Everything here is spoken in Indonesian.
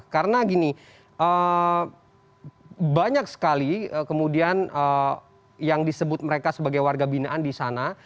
karena gini banyak sekali kemudian yang disebut mereka sebagai warga binaan di sana